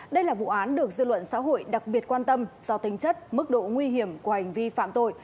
đây là vụ án được dư luận xã hội đặc biệt quan tâm do tính chất mức độ nguy hiểm của hành vi phạm tội